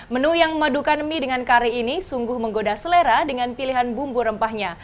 menu yang memadukan mie dengan kari ini sungguh menggoda selera dengan pilihan bumbu rempahnya